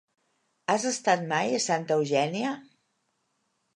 Has estat mai a Santa Eugènia?